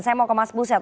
saya mau ke mas buset